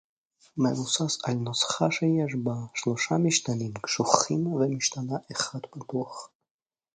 מבוסס על נוסחה שיש בה שלושה משתנים קשוחים ומשתנה אחד פתוח